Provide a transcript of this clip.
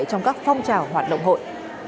trong các phong trào hoạt động hội